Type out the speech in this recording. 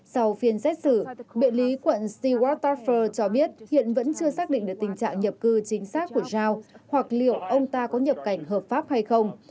sau phiên xét xử biện lý quận stewart tarfer cho biết hiện vẫn chưa xác định được tình trạng nhập cư chính xác của zhao hoặc liệu ông ta có nhập cảnh hợp pháp hay không